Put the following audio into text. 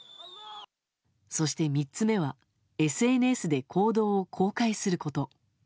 そして３つ目はＳＮＳで行動を公開すること。